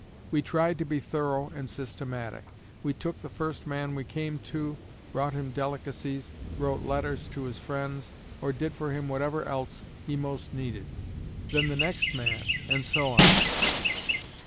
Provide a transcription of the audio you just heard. We tried to be thorough and systematic. We took the first man we came to, brought him delicacies, wrote letters to his friends, or did for him whatever else he most needed; then the next man, and so on.